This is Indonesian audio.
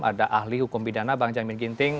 ada ahli hukum pidana bang jamin ginting